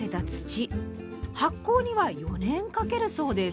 発酵には４年かけるそうです。